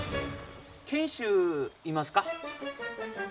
賢秀いますか？